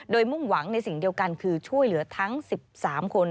โดยมุ่งหวังในสิ่งเดียวกันคือช่วยเหลือทั้ง๑๓คน